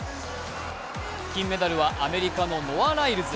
金メダルはアメリカのノア・ライルズ。